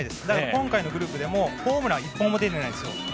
今回のグループでもホームランが１本も出ていないです。